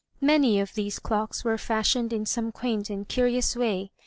Many of these clocks were fashioned in some quaint and curious way.